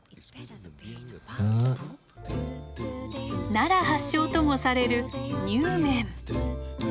奈良発祥ともされるにゅうめん。